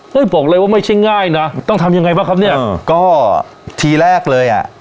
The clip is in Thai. บอกเลยว่าไม่ใช่ง่ายนะต้องทำยังไงบ้างครับเนี่ยก็ทีแรกเลยอ่ะ